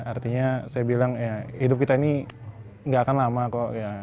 artinya saya bilang ya hidup kita ini gak akan lama kok